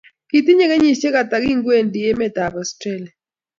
kitinyei kenyishiek hata kingiwengi emetab Australia